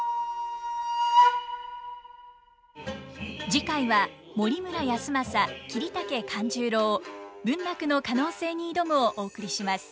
次回は「森村泰昌桐竹勘十郎文楽の可能性に挑む」をお送りします。